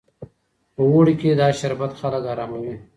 په اوړي کې دا شربت خلک اراموي.